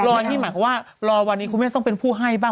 รอนี่หมายความว่ารอวันนี้คุณแม่ต้องเป็นผู้ให้บ้าง